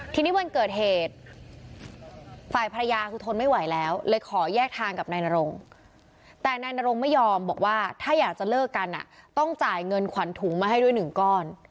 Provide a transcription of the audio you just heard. ทีนี้วันเกิดเหตุฝ่ายภรรยาคือทนไม่ไหวแล้วเลยขอแยกทางกับนายนรงแต่นายนรงไม่ยอมบอกว่าถ้าอยากจะเลิกกันต้องจ่ายเงินขวัญถุงมาให้ด้วยหนึ่งก้อน